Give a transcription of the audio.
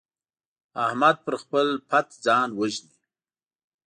احمد پر خپل پت ځان وژني.